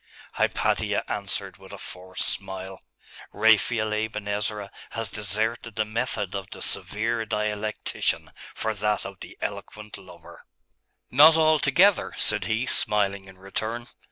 Hypatia answered with a forced smile. 'Raphael Aben Ezra has deserted the method of the severe dialectician for that of the eloquent lover.' 'Not altogether,' said he, smiling in return.